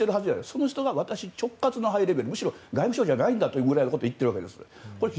その人が私直轄のハイレベルむしろ外務省じゃないんだというぐらいのことを言っているわけです。